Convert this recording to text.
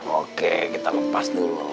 oke kita lepas dulu